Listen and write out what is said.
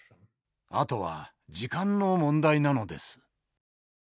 あとは時間の問題なのです。